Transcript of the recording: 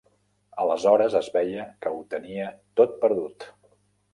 Aleshores es veia que ho tenia tot perdut.